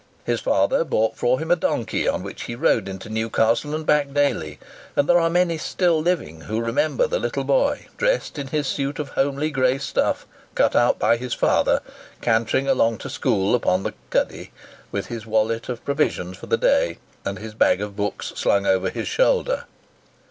His father bought for him a donkey, on which he rode into Newcastle and back daily; and there are many still living who remember the little boy, dressed in his suit of homely grey stuff, cut out by his father, cantering along to school upon the "cuddy," with his wallet of provisions for the day and his bag of books slung over his shoulder.